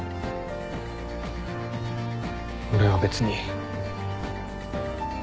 俺は別に。